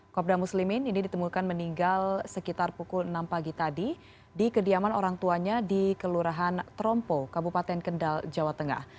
kopda muslimin ini ditemukan meninggal sekitar pukul enam pagi tadi di kediaman orang tuanya di kelurahan trompo kabupaten kendal jawa tengah